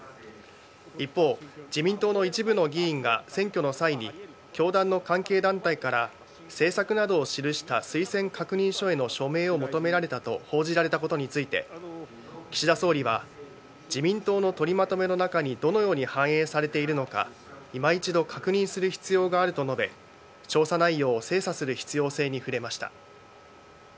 一方自民党の一部の議員が選挙の際に教団の関係団体から政策などを記した推薦確認書への署名を求められたと報じられたことについて岸田総理は自民党の取りまとめの中にどのように反映されているのか今一度確認する必要があると述べ調査内容を精査する必要性に触れました。